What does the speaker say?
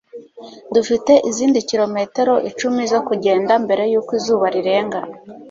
Dufite izindi kilometero icumi zo kugenda mbere yuko izuba rirenga.